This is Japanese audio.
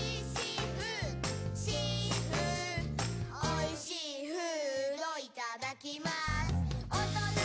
「おいしーフードいただきます」